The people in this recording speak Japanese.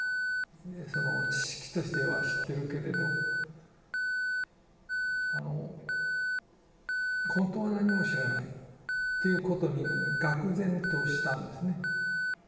その知識としては知ってるけれどほんとは何も知らないっていうことにがく然としたんですね。